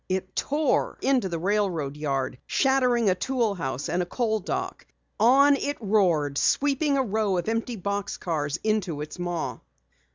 It tore into the railroad yard, shattering a tool house and a coal dock. It roared on, sweeping a row of empty box cars into its maw.